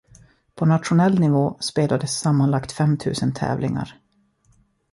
På nationell nivå spelades sammanlagt femtusen tävlingar.